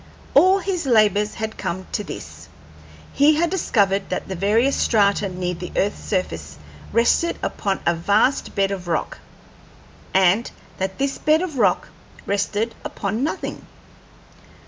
All his labors had come to this: he had discovered that the various strata near the earth's surface rested upon a vast bed of rock, and that this bed of rock rested upon nothing.